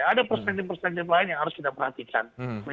itu persentif persentif lain yang harus kita perhatikan